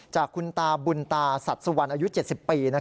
จากคุณตาบุญตาสัดสุวรรณอายุ๗๐ปี